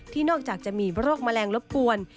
นอกจากจะมีโรคแมลงรบกวน